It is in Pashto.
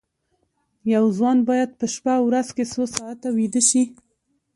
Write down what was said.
یو ځوان باید په شپه او ورځ کې څو ساعته ویده شي